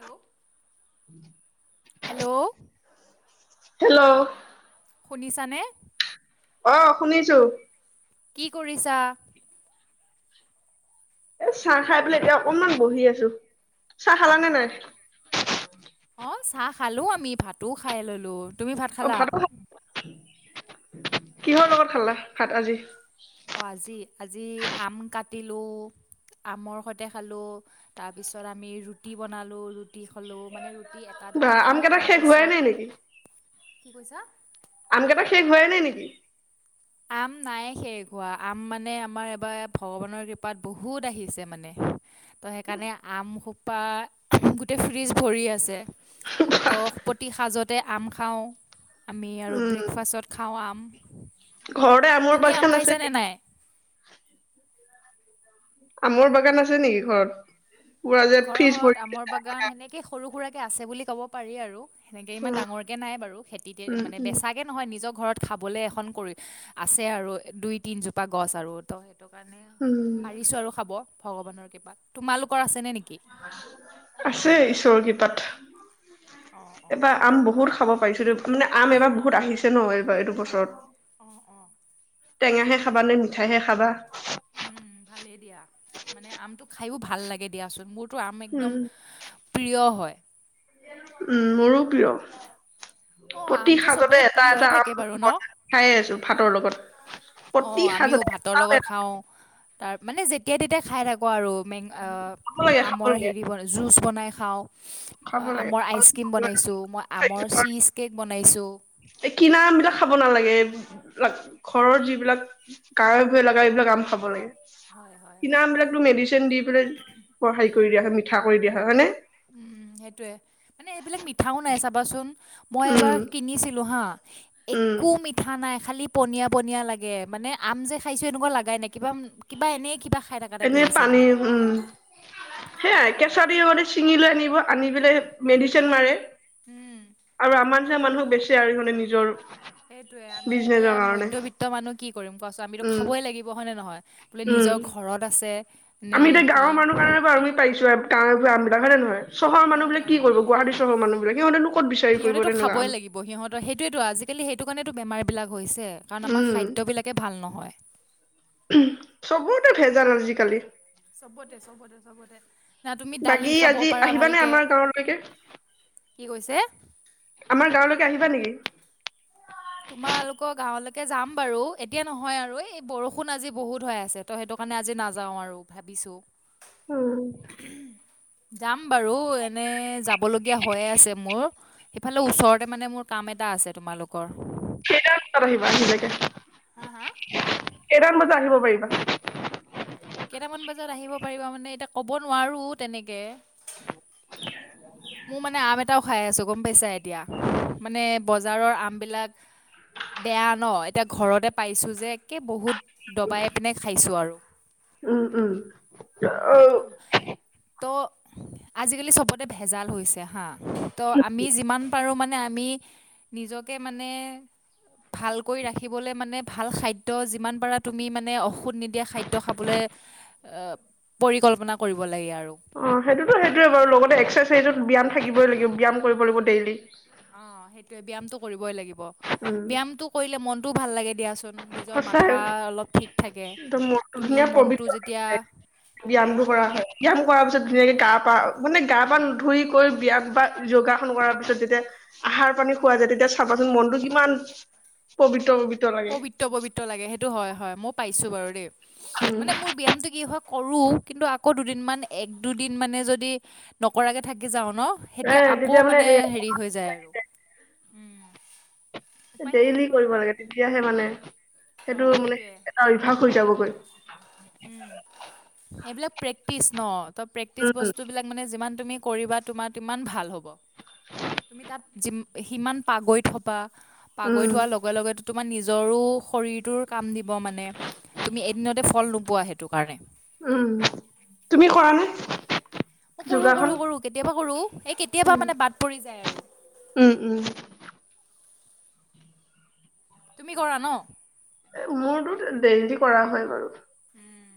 Hello উম! Hello! Hello! শুনিছানে, অ শুনিছো। কি কৰিছা? এ চাহ খাই পেলাই এতিয়া অকনমান বহি আছো। চাহ খালা নাই? অঁ চাহ খালোঁ আমি ভাতো খাই ল'লোঁ। তুমি ভাত অ খালা ভাতো খা কিহৰ লগত খালা ভাত আজি অজি আজি আম কাটিলোঁ আমৰ সৈতে খালোঁ তাৰপিছত আমি ৰুটি বনালোঁ ৰুটি খালোঁ মানে ৰুটি এটা বা দুটা খাওঁ আমকেইটা শেষ হোৱাই তাৰপিছত নাই নেকি কি কৈছা আমকে ত শেষ হয় নাই নেকি আম নাই সে হোৱা আম মানে আমাৰ এবাৰ ভগৱানৰ কৃপাত বহুত আহিছে মানে ত সেইকাৰণে আম খুব বা গোটেই ফ্ৰ্ৰীজ ভৰি আছে ত প ুটি সাজতে আম খাওঁ আমি আৰু উম ব্ৰেকফাষ্টত খোৱাাম ঘৰতে আমৰ পখান আছে ন আ মোৰ বাগান আছে নেকি ঘৰত পুৰা যে ফ্ৰিজ ঘৰত ভৰি আমৰ বাগান সেনেকে সৰু সুৰাৰাক আছে বুলি ক'ব পাৰি আৰু সেনেকৈ ইমান ডাঙৰকৈ নাই বাৰু খেতিতে উম মানে উম বেচাকৈ নহয় নিজক ঘৰত খাবলে এখন কৰি আছে আৰু দুই তিনজোপা গছ আৰু ত সেইটো কাৰণে উম পাৰিছো আৰু খাব ভগৱানৰ কৃপাত তোমালোকৰ আছে নে নেকি আছে ঈশ্বৰ কিতাত অঁ অঁ এবাৰ আম বহুত খাব পাৰিছো দে মানে আম এবাৰ বহুত আহিছে ন এইবাৰ এইটো বছৰত অঁ অঁ টেঙাহে খাবা নে মিঠাইহে খাবা উম ভালেই দিয়া মানে আমটো খাইও ভাল লাগে দিয়াচোন মোৰ টো আম উম একদম প্ৰিয় হয় [unintelligible] উম মোৰো প্ৰিয় অঁ প্ৰতি আমটো চবৰে সাজতে এটা প্ৰিয়ই এটা থাকে আম বাৰু ঘ ন খাই আছো ভাতৰ লগত অ প্ৰতি আমিও সাজতে ভাতৰ খাব লগত খাওঁ তাৰ মানে যেতিয়া তেতিয়া খাই থাকো আৰু মেং আ লাগে খাব আময়ে লাগে হেৰি হয় জুছ বনাই খাওঁ। খাব লাগে। আমৰ আইচক্ৰীম বনাইছোঁ মই আমৰ [unintelligible] চীজ কেক বনাইছোঁ এই কিনা আম বিলাক খাব নালাগে। ঘৰৰ যিবিলাক গাৱেঁ-ভূয়ে লগা এইবিলাক আম খাব লাগে। হয় হয় কিনা হয় আম বিলাকতো মেডিচিন দি পেলাই [unintelligible] কৰি দিয়া হয়, মিঠা কৰি দিয়া হয়, হয়নে? উম সেইটোয়ে, মানে এইবিলাক মিঠাও নাই চাবাচোন মই উম এবাৰ কিনিছিলোঁ হাঁ, উম একোৱে মিঠা নাই, খালি পনীয়া পনীয়া লাগে, মানে আম যে খাইছোঁ এনেকুৱা লাগাই নাই কিবা, কিবা এনেই কিবা সাই থাকা টাইপ এনে লাগিছিল পানী মানে, উম সেইটো কাৰণে ব, আনি পেলাই মেডিচিন মাৰে। উম, আৰু আমাৰ নিচিনা তাকে মানুহক বেচে আৰু সিহঁতে নিজৰ সেইটোৱে, আমি এতিয়া বিজনেচৰ কাৰণে মধ্যবিত্ত মানুহ কি কৰিম কোৱাছোন আমিতো উম খাবই লাগিব হয়নেে নহয়? বোলে নিজৰ উম ঘৰত আছে নে আমি এতিয়া কি গাৱৰ মানুহ কাৰনে বাৰু আমি পাইছোঁ আৰ গাঁৱৰ আম বিলাক হয়নে নহয়? চহৰৰ মানুহ হয় বিলাকে কি হয় কৰিব, গুৱাহাটী চহৰৰ মানুহ বিলাক সিহঁতে নো সিহঁতেতো খাবই লাগিব, সিহঁতৰ সেইটোৱেতো আজিকালি সেইটো কাৰণে তো বেমাৰ বিলাক হৈছে, কাৰণ আমাৰ খাদ্য উম বিলাকে ভাল নহয়। চবতে ভেজাল আজিকালি। চবতে চবতে চবতে না তুমি দালি বাকী খাব আজি পাৰা আহিবানে ভালকে আমাৰ গাঁৱলৈকে কি কৈছে? আমাৰ গাঁৱলৈকে আহিবা নেকি? কে যাম বাৰু এতিয়া নহয় আৰু, এই বৰষুণ আজি বহুত হৈ আছে ত' সেইটো কাৰণে আজি নাযাওঁ আৰু। ভাবিছো অ'। যাম বাৰু এনে যাবলগীয়া হয়য়ে আছে, মোৰ সেইফালে ওচৰতে মানে মোৰ কাম এটা আছে তোমালোকৰ। ৰিবা নিিলেকে [unintelligible] হা হা কেইটা মান বজাত আহিব পাৰিবা। কেইটামান বজাত আহিব পাৰিবা মানে এতিয়া ক'ব নোৱাৰো তেনেকে মোৰ মানে আম এটাও খাই আছো গ'ম পাইছা। এতিয়া মানে বজাৰৰ আমবিলাক বেয়া ন, এতিয়া ঘৰতে পাইছোঁ যে একে বহুত দবাই পিনে খাইছোঁ আৰু। উম উম। অ'। ত' আজিকালি চবতে ভেজাল হৈছে হা, ত' আমি যিমান পাৰো মানে আমি নিজকে মানে ভালকৈ ৰাখিবলৈ মানে ভাল খাদ্য যিমান পাৰা তুমি মানে ঔষধ নিদিয়া খাদ্য খাবলৈ আহ পৰিকল্পনা কৰিব লাগে আৰু। অঁ সেইটোতো সেইটোৱে বাৰু লগতে এক্সাৰচাইজত ব্যায়াম থাকিবই লাগিব ব্যায়াম কৰিব লাগিব ডেইলি। অ' সেইটোয়ে ব্যায়ামটো বৈ লাগিব। উম তো ভাল লাগে দিয়াচোন। নিজৰ সঁচাই মাথা অলপ ঠিক থাকে, একদম মনটো তুিমি ধুনীয়া মনটো পবিত্ৰ লাগি যেতিয়া যায়। ব্যায়ামটো কৰা হয় ব্যায়াম কৰাৰ পিছত ধুনীয়াকে গা পা মানে গা পা ধুই কৰি ব্যায়াম বা যোগাসন কৰাৰ পিছত যেতিয়া আহাৰ পানী খোৱা যায় তেতিয়া চাবাচোন মনটো কিমান পবিত্ৰ পবি ত, লাগে। ত, লাগে সেইটো হয়, হয় মই পাইছোঁ বাৰু দেই। মানে মোৰ ব্যায়ামটো কি হয় কৰোঁ, কিন্তু আকৌ দুদিনমান এক দুদিন মানে যদি নকৰাকে থাকি যাওঁ ন, তেতিয়া আকৌ মানে হেৰি হৈ যায় আৰু উম। ডেইলি কৰিব লাগে তেতিয়া হে, মানে সেইটো মানে অভ্যাস হৈ, যাবগৈ। উম, এইবিলাক প্ৰেক্টিচ ন। ত' প্ৰেকটিচ উম বস্তুবিলাক মানে যিমান তুমি কৰিবা তোমাৰ তিমান ভাল হ'ব, তুমি তাত যিমা-সিমান পাগৈত হ'বা। উম পাগৈত হোৱাৰ লগে, লগে তোমাৰ নিজৰো শৰীৰটোৰ কাম দিব মানে, তুমি দিনতে ফল নোপোৱা সেইটো কাৰনে। উম, তুমি কৰানে মই কৰো কৰো যোগাসন? কৰো কেতিয়াবা কৰো এই কেতিয়াবা উম মানে বাদ পৰি যায় আৰু। উম উম তুমি কৰা ন? এ মোৰটো ডেইলি কৰা হয় বাৰু। উম,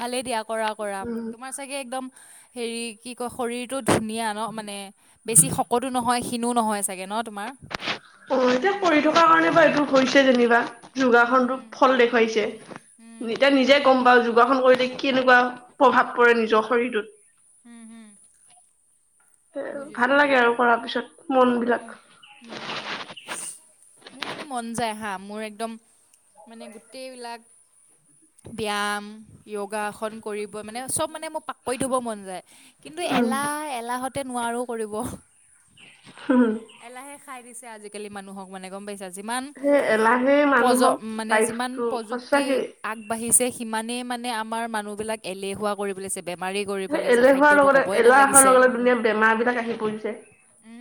ভালেই দিয়া। কৰা কৰা উম তোমাৰ চাগে একদম হেৰি কি কয় শৰীৰটোত ধুনীয়া ন মানে বেছি শকতো নহয় ক্ষীনো নহয় চাগে ন তোমাৰ? অ এতিয়া পঢ়ি থকা কাৰণে বাৰু এইটো হৈছে যেনিবা। যোগাসনটো ফল দেখুৱাইছে, এতিয়া নিজে গ'ম পাওঁ যোগাসন কৰিলে কেনেকুৱা প্ৰভাৱ পৰে নিজৰ শৰীৰটোত? উম, হুম। এ ভাল লাগে আৰু কৰাৰ পিছত। মন বিলাক উম, উম, হুম মোৰ মানে মন যায়। হা, মোৰ এক মান গোটেইবিলাক ব্যাম য়ো য়োগাসন কৰিব মানে চব মানে মোৰ পাকৰি ধব মন যায় কিন্তু উম এলাহ- এলাহত তে নোৱাৰো কৰিব। হম। এলাহে খাই দিছে। আজি কালি মানুহক মানে গম পাইছা। যিমান সেই এলাহে প্ৰজ মানুহক মানে যিমান লাইফটো প্ৰযুক্তি সঁচাকেই আগবাঢ়িছে সিমানেই মানে মানে আমাৰ মানুহ বিলাক এলেহুৱা কৰিবলৈ চ সেই এলে হোৱাৰ লগতে এলাহ অহাৰ নালাগিছে লগ ধুনীয়া বেমাৰ বিলাক আহি পৰিছে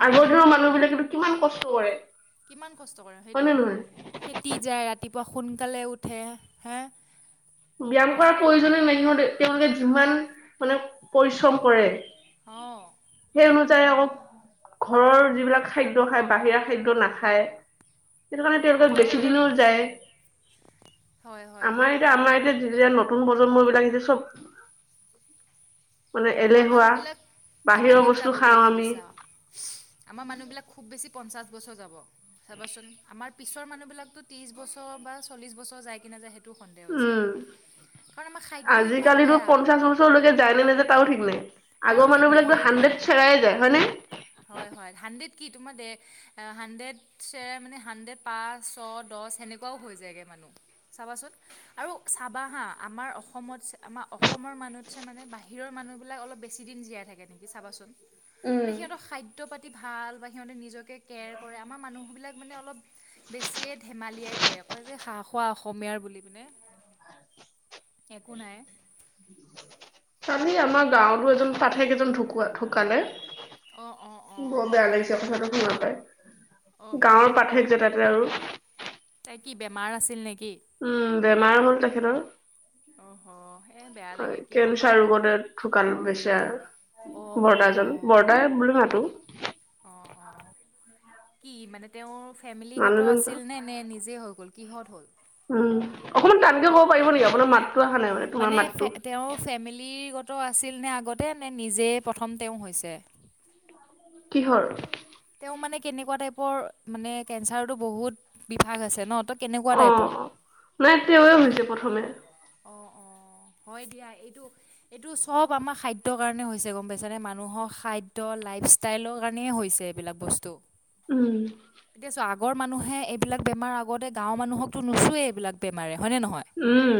আগৰ দিনৰ মানুহ বিলাকো কিমান কষ্ট কৰে। কিমান কষ্ট কৰে হয় নে নহয়? সেইটোয়ে খেতি যায় ৰা ৰাতিপুৱা সোনকালে উঠে হে। ব্যায়াম কৰাৰ আজিকালি প্ৰয়োজনে নাই সিহত তেওলোকে যিমান মানে পৰিশ্ৰম কৰে। অঁ সেইবাবে। তেওঁ ঘৰৰ সেই যিবিলাক খাদ্য খাই। বাহিৰা খাদ্য নাখায়। সেইটো কাৰণে সেইটোৱে তেওঁলোকে আগৰ বেছি দিনও যায়। হয় হয় আমাৰ হয় এইটোয়া আমাৰ মানে যে নতুন প্ৰজন্ম বিলাক যে চব মানে আমাৰ মানুহ এলেহুৱা বিলাক কিমান বাহিৰৰ দিন বস্তু যাব বুলি খাওঁ আমি ভাবিছা। আমাৰ মানুহ বিলাক খুব বেছি পঞ্চাশ বছৰ যাব চাবাচোন আমাৰ পিছৰ মানুহ বিলাকতো ত্ৰিশ বছৰ বা চল্লিশ বছৰ যাই কিনে যায় সেই উম, খাদ্য ইমান আজিকালিিতো বেয়া পঞ্চাশ বছৰলৈকে যায়নে নাযায় তও ঠিক নাই তাৰো আগৰ ঠিক মানুহ নাই বিলাক সেইটোৱে। হাড্ৰেড চেৰাই যায় হয়নে। হা পচ দ সেনেকুৱাও হৈ যগ ম চাবান আৰু চাবা হা আমাৰ অসম - আমাৰ অসম মানুত মানে ব হিৰৰ মানুহবিলাক অলপ বেছি দিন জীয়াই থাকে। নেকি চাবাচোন মানে সিহঁতৰ খাদ্য পাতি ভাল বা সিহতে নিজকে কেয়াৰ কৰে আমাৰ মানুহ বিলাক মানে অলপ বেছিয়ে ধেমালিয়াই দিয়ে কয় যে খাৰ খোৱা অসমীয়াৰ বুলি। নে একো নাই। কালি আমাৰ গাৱতো এজন পাঠেক এজন ঢুকুৱা ঢুকালে। অঁ অঁ অঁ বৰ বেয়া লাগিছে আপোনাৰ চতে ঘুম হয়। অহ গাৱৰ পাথেক যে তাতে আৰু। তাই কি বেমাৰ আছিল নেকি। উম বেমাৰ হ'ল তেখেতৰ। অহ এই বেয়া হয়, লাগে কি ক'বা কেনচাৰ আৰু ৰোগতে ঢুকাল বেচেৰা, অ', বৰদাজন, অ'। বৰদাই বুলি মাতো। অ', অ'। কি মানে তেওঁৰ ফেমিলিগত মানুহজন আছিল নে নে নিজে হৈ গ'ল? কিহত হ'ল? উম, অকণমান টানকে ক'ব পাৰিব নেকি, আপোনাৰ মাত মানে ফে তেওঁৰ ফেমিলিগ ত আছিল নে আগতে নে নিজে প্ৰথম তেওঁ হৈছে? কিহৰ? তেওঁ মানে কেনেকুৱা টাইপৰ, মানে কেঞ্চাৰটো বহুত বিভাগ আছে ন ত' কেনেকুৱা টাইপৰ? অ', নাই তেওঁৱে হৈছে প্ৰথমে। অ', অ', হয় দিয়া এইটো, এইটো চব আমাৰ খাদ্যৰ কাৰণে হৈছে গম পাইছানে, মানুহৰ খাদ্য, লাইফ ষ্টাইলৰ কাৰণে হৈছে এইবিলাক বস্তু। উম। এতিয়া চোৱা আগৰ মানুহে এইবিলাক বেমাৰ আগতে গাঁৱৰ মানুহকতো নোচোৱেই এইবিলাক বেমাৰে হয়নে নহয়? উম।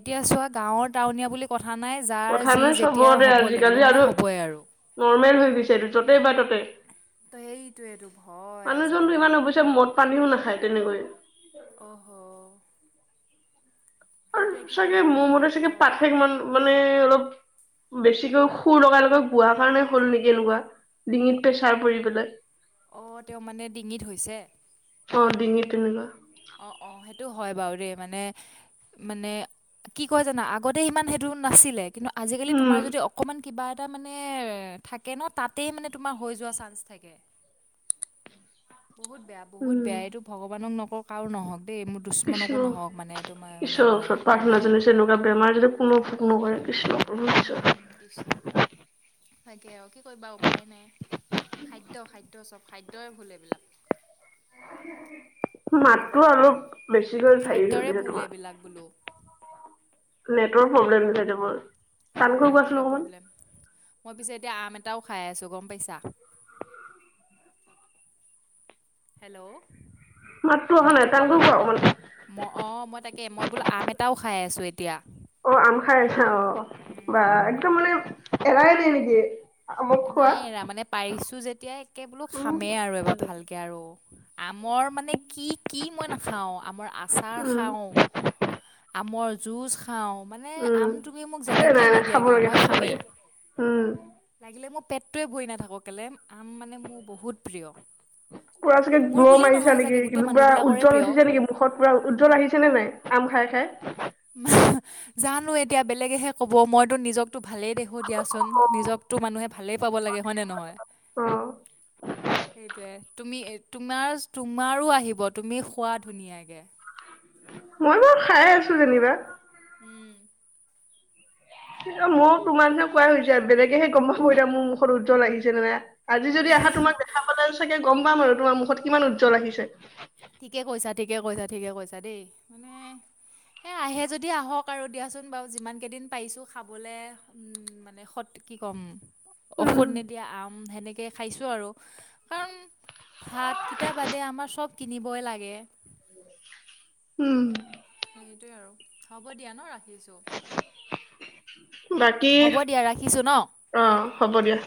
এতিয়া চোৱা গাঁৱৰ, টাউনীয়া বুলি কথা নাই যাৰ যি [unintelligible] যেতিয়া চবতে হ'ব লাগিব আজিকালি মানে আৰু হ'বই আৰু। নৰ্মেল হৈ গৈছে এইটো য'তে পাই ত'তেই, ত' সেইটোৱেটো ভয় মানুহজনতটো আজিকালি ইমান অৱশ্যে মদ পানীও নাখায়। তেনেকৈ অহ হ, আৰু চাগে মোৰ মতে চাগে পাঠেক মান মানে অলপ বেছিকৈ সুৰ লগাই লগাই গোৱাৰ কাৰণে হ'ল নেকি এনেকোৱা। ডিঙিত প্ৰেচাৰ পৰি পেলাই। অ' তেওঁ মানে ডিঙিত হৈছে? অ', ডিঙিত তেনেকুৱা। অ' অ' সেইটো হয় বাৰু দেই মানে, মানে, কি কয় জানা, আগতে ইমান হেটো নাছিলে। কিন্তু আজিকালি উম তোমাৰ যদি অকণমান কিবা ৱা মানে থাকে ন, তাতে মানে তোমাৰ হৈ যোৱা চাঞ্চ থাকে। বহুত বেয়া বহুত উম বেয়া। এইটো ভগৱানক নক কাও নহওক। দেই মোৰ দুশ্মনকো কৃষ্ণ, নহওক মানে এইটো মই মানে ঈশ্বৰৰ মই ওচৰত কওঁ প্ৰাৰ্থনা আৰু। জনাইছোঁ, এনেকুৱা বেমাৰ যাতে কোনো ভোগ নকৰে। কৃষ্ণ প্ৰভু উম, ঈশ্বৰ হম, কৃষ্ণ। তাকে আৰু, কি কৰিবা উপায় নাই। খাদ্য, খাদ্য চব। খাদ্যই ভুল এইবিলাক। মাততো অলপ বেছিকৈ ভাবি খাদ্যৰে থাকিলে ভুল তোমাৰ এইবিলাক বোলো নেটৰ প্ৰব্লেম তেন্তে মোৰ। অ', নেটৰে প্ৰব্লেম, মই পিছে এতিয়া আম এ এটাও খাই আছোঁ, গম পাইছা? হেল্ল'। মাততো নাই মাতটো অহা টানকৈ কোৱা অকমান ম অ' মই তাকে, মই বোলো আম এটাও খাই আছো এত এতিয়া অ', আম খাই আছা অ বা, একদম মানে এৰাই নাই নেকি? আমক নাই খোৱা এৰা, মানে পাৰিছোঁ যেতিয়া একে বোলো উম, খামেই আৰু এবাৰ ভালকে আৰু। আমৰ মানে কি, কি মই নাখাওঁ। আমৰ আচাৰ উম, খাওঁ, আমৰ জুচ খাওঁ। মানে উম, আম তুমি মোক এ যেনেকেই নাই নাই নিদিয়া খাব কেলে লাগে মই খাব খামেই। লাগে। উম, লাগিলে মোৰ পেটতোৱে ভৰি নাথাকক কেলে আম মানে মোৰ বহুত প্ৰিয়। পুৰা চাগে মোৰ গ্ল' বুলিয়ে মাৰিছা নহয় চাগে নেকি? গোটেই বা মানুহবিলাকৰে উজ্জ্বল প্ৰিয়। উঠিছে নেকি মুখত পুৰা উজ্জ্বল আহিছে নে নাই? আম খাই, খাই? [unintelligible] জানো এতিয়া, বেলেগেহে ক'ব। মইতো নিজক টো, ভালেই দেখোঁ দিয়াচোন, নিজকতো মানুহে ভালে পাব লাগে হয়, নে নহয়? অ', সেইটোৱে তুমি, তোমাৰ, তোমাৰো আহিব। তুমি খোৱা ধুনীয়াকে। মই বাউ খাই আছো যেনিবা। উম। মইও তোমাকহে কোৱা হৈছে, বেলেগেহে গম পাব এতিয়া মোৰ মুখত উজ্জ্বল আহিছে নে নাই আজি যদি আহা তোমাক দেখা পালে চাগে গম পাম আৰু। তোমাৰ মুখত কিমান উজ্জ্বল আহিছে। ঠিকে কৈছা, ঠিকে কৈছা, ঠিকে কৈছা দেই, মানে, এ আহে যদি আহক আৰু দিয়াচোন বাৰু যিমান কেইদিন পাইছো খাবলে, উম, মানে সত কি ক'ম? উম, ঔষধ নিদিয়া আম সেনেক কে খাইছোঁ আৰু, কাৰণ ভাত কিতা বাদে আমাৰ চব কিনিবই লাগে। উম। সেইটোৱে আৰু, হ'ব দিয়া ন ৰাখিছো। বাকী, ন অ', হ'ব দিয়া।